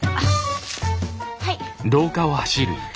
はい。